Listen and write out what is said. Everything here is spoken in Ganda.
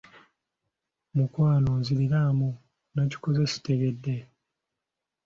"Mukwano nziriraamu, nakikoze sitegedde."